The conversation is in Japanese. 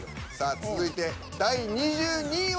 続いて第２２位は。